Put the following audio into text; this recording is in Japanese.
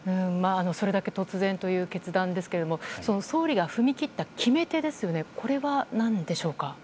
それだけ突然という決断ですけれども、その総理が踏み切った決め手ですよね、これはなんでしょうか。